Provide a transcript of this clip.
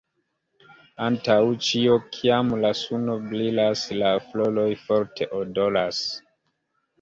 Antaŭ ĉio kiam la suno brilas la floroj forte odoras.